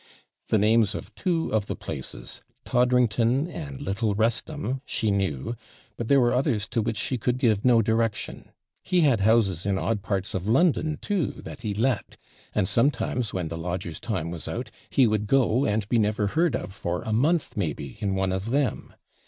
The names of two of the places, Toddrington and Little Wrestham, she knew; but there were others to which she could give no direction. He had houses in odd parts of London, too, that he let; and sometimes, when the lodgers' time was out, he would go, and be never heard of for a month, maybe, in one of them.